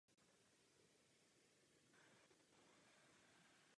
Ze začátku je v seriálu deset hlavních postav.